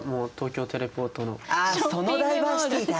あそのダイバーシティだ。